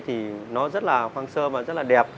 thì nó rất là khoang sơ và rất là đẹp